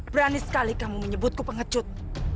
berani sekali kamu menyebutku pengecut